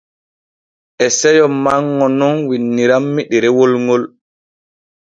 E seyo manŋo nun winnirammi ɗerewol ŋol.